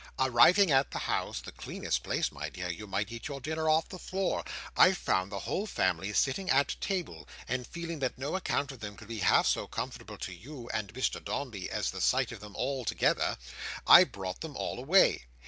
Arriving at the house (the cleanest place, my dear! You might eat your dinner off the floor), I found the whole family sitting at table; and feeling that no account of them could be half so comfortable to you and Mr Dombey as the sight of them all together, I brought them all away.